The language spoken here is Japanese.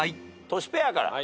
トシペアから。